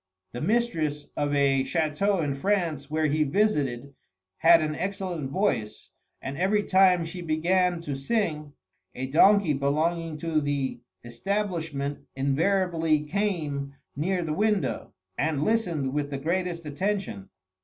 The mistress of a chateau in France where he visited had an excellent voice, and every time she began to sing, a donkey belonging to the establishment invariably came near the window, and listened with the greatest attention.